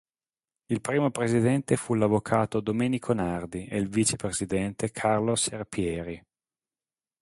Il primo presidente fu l'avvocato Domenico Nardi ed il vicepresidente Carlo Serpieri.